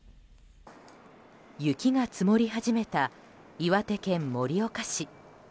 雪が積もり始めた岩手県盛岡市。